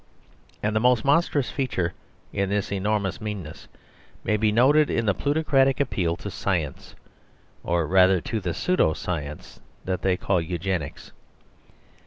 And the most monstrous feature in this enormous meanness may be noted in the plutocratic appeal to science, or, rather, to the pseudo science that they call Eugenics.